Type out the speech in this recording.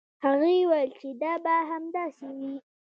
هغې وویل چې دا به هم داسې وي.